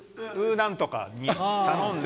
なんとかに頼んで。